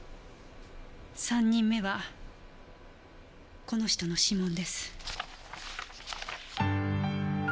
３人目はこの人の指紋です。